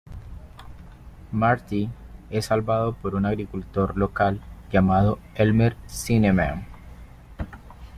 Marty es salvado por un agricultor local llamado Elmer Zinnemann.